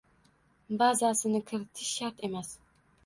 Bazasini kiritish shart emas